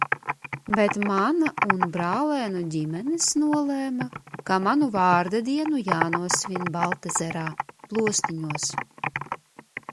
"Bet mana un brālēnu ģimenes nolēma, ka manu vārda dienu jānosvin Baltezerā, "Plostiņos"."